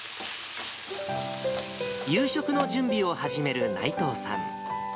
夕食の準備を始める内藤さん。